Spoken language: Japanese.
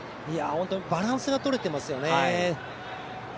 バランスがとれてますよね。